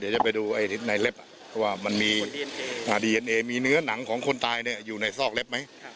เดี๋ยวไปดูในเล็บมีเนื้อนังของคนตายอยู่ในซอกเล็บไหม